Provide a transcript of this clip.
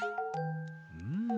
うん。